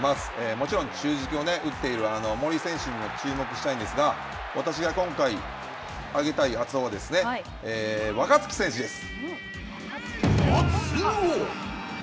もちろん中軸を打っている森選手にも注目したいんですが、私が今回、あげたい熱男は、若月選手です。